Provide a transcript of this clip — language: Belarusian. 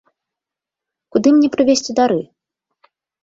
Куды мне прывезці дары?